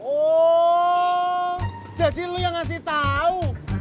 oh jadi lo yang kasih tau